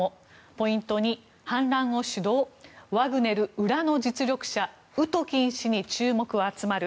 ポイント２、反乱を主導ワグネル、裏の実力者ウトキン氏に注目集まる。